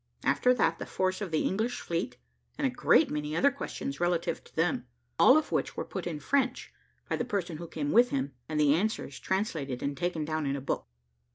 After that the force of the English fleet, and a great many other questions relative to them; all of which were put in French by the person who came with him, and the answers translated and taken down in a book.